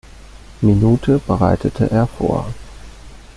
Minute bereitete er vor.